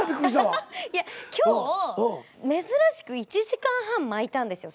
いや今日珍しく１時間半巻いたんですよ